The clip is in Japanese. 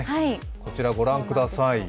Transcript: こちらご覧ください。